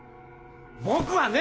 僕はね！